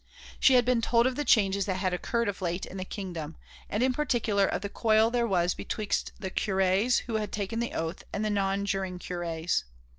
She had been told of the changes that had occurred of late in the kingdom, and in particular of the coil there was betwixt the curés who had taken the oath and the nonjuring curés.